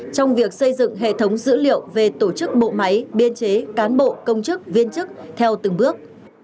trong việc xây dựng hệ thống dữ liệu về tổ chức bộ máy biên chế cán bộ công chức viên chức theo từng bước